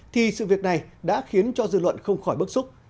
thì sự việc này đã khiến cho dư luận không khỏi bức xúc